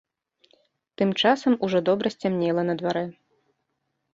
Тым часам ужо добра сцямнела на дварэ.